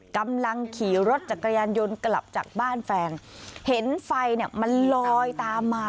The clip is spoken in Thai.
กำลังขี่รถจักรยานยนต์กลับจากบ้านแฟนเห็นไฟเนี่ยมันลอยตามมา